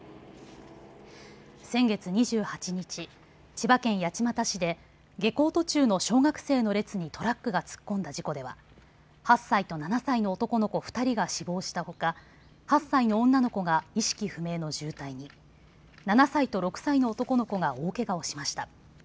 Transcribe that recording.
先月２８日、千葉県八街市で下校途中の小学生の列にトラックが突っ込んだ事故では８歳と７歳の男の子２人が死亡したほか、８歳の女の子が意識不明の重体に、７歳と６歳の男の子が大けがをしました。